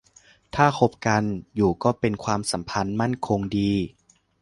ถ้าคบกันอยู่ก็เป็นความสัมพันธ์มั่นคงดี